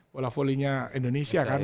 wola volleynya indonesia kan